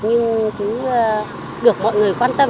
nhưng cũng được mọi người quan tâm